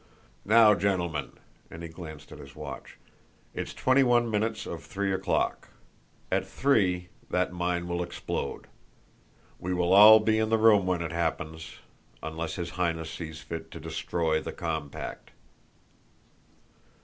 "Now, gentlemen," and he glanced at his watch, "it's twenty one minutes of three o'clock. At three that mine will explode. We will all be in the room when it happens, unless his Highness sees fit to destroy the compact."